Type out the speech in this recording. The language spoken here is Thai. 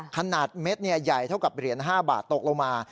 เม็ดใหญ่เท่ากับเหรียญ๕บาทตกลงมา